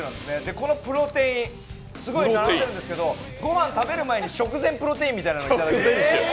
このプロテイン、すごい並んでるんですけど、御飯食べる前に食前プロテインみたいなのを頂くんです。